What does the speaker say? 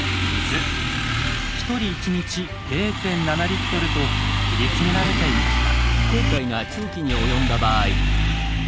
１人１日０．７リットルと切り詰められていました。